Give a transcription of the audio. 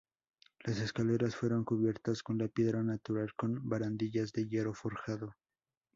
Las escaleras fueron cubiertas con la piedra natural con barandillas de hierro forjado.